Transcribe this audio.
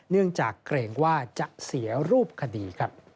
เนื่องจากเกรงว่าจะเสียรูปคดี